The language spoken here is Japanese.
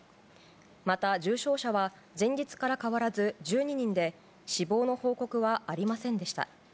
また、重症者は前日から変わらず１２人で死亡の報告はありませんでした。